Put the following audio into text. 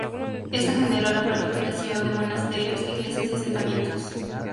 Esto generó la proliferación de monasterios, iglesias y asentamientos.